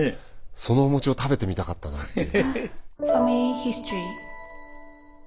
そのお餅を食べてみたかったなという。